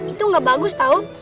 itu gak bagus tau